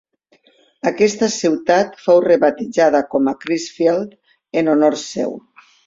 Aquesta ciutat fou rebatejada com a Crisfield en honor seu.